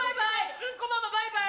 ウンコママバイバイ！